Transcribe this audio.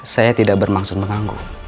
saya tidak bermaksud menganggu